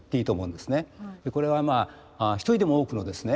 でこれは一人でも多くのですね